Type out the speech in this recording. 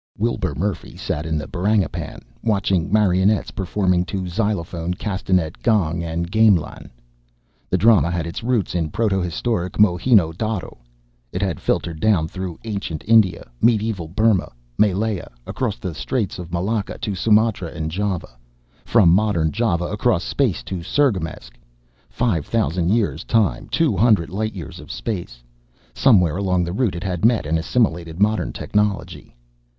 Wilbur Murphy sat in the Barangipan, watching marionettes performing to xylophone, castanet, gong and gamelan. The drama had its roots in proto historic Mohenjō Darō. It had filtered down through ancient India, medieval Burma, Malaya, across the Straits of Malacca to Sumatra and Java; from modern Java across space to Cirgamesç, five thousand years of time, two hundred light years of space. Somewhere along the route it had met and assimilated modern technology.